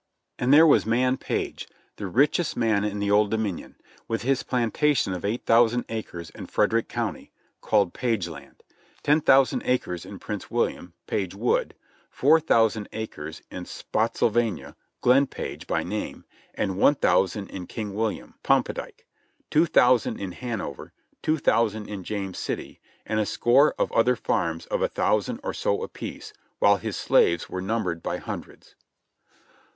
And there was Mann Page, the richest man in the Old Domin ion ; with his plantation of eight thousand acres in Frederick County, called "Pageland ;" ten thousand acres in Prince William — "Pagewood;" four thousand more in Spottsylvania — "Glen page," by name; and one thousand in King William — "Pompa dike;" two thousand in Hanover; two thousand in James City; and a score of other farms of a thousand or so apiece, while his slaves were numbered by hundreds.